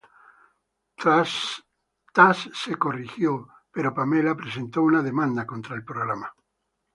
Tas se corrigió, pero Pamela presentó una demanda contra el programa.